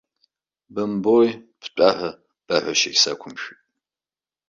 Бымбои, бтәа ҳәа баҳәашьагьы сақәымшәеит.